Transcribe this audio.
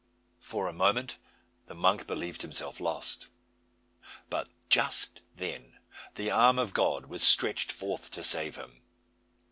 For a moment the monk believed himself lost. But just then the arm of God was stretched forth to save him.